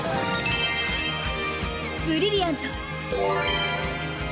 ブリリアント！